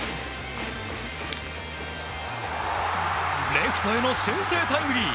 レフトへの先制タイムリー！